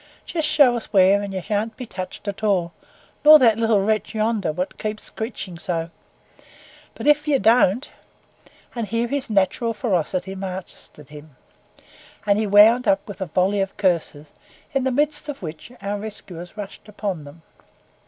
Jist show us where, and you shan't be touched at all, nor that little wretch yonder, what keeps screeching so; but if you don't " and here his natural ferocity mastered him, and he wound up with a volley of curses, in the midst of which our rescuers rushed upon them.